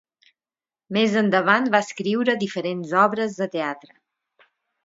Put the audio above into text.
Més endavant va escriure diferents obres de teatre.